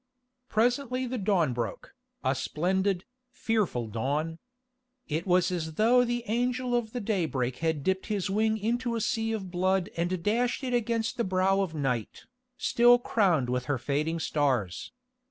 Presently the dawn broke, a splendid, fearful dawn. It was as though the angel of the daybreak had dipped his wing into a sea of blood and dashed it against the brow of Night, still crowned with her fading stars.